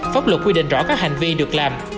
pháp luật quy định rõ các hành vi được làm